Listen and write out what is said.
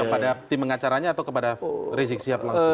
kepada tim pengacaranya atau kepada resiksi